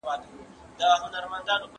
وختي اقدام ژوند ژغوري.